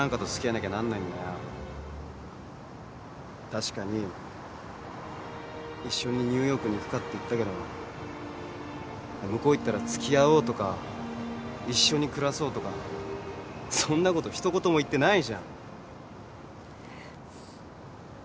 確かに「一緒にニューヨークに行くか？」って言ったけど向こう行ったら付き合おうとか一緒に暮らそうとかそんなこと一言も言ってないじゃん。